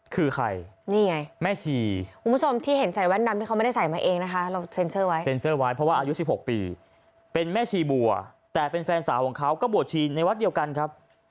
คือใครนี่ไงแม่ชีเพราะว่าอายุ๑๖ปีเป็นแม่ชีบัวแต่เป็นแฟนสาวของเขาก็บวชชีในวัดเดียวกันครับ